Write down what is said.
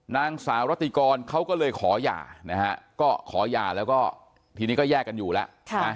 นางสาวรัติกรเขาก็เลยขอหย่านะฮะก็ขอหย่าแล้วก็ทีนี้ก็แยกกันอยู่แล้ว